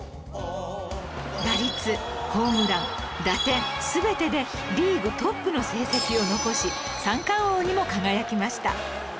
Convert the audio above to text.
打率ホームラン打点全てでリーグトップの成績を残し三冠王にも輝きました